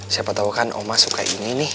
siapa tau kan oma suka ini nih